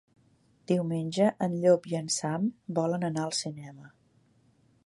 Diumenge en Llop i en Sam volen anar al cinema.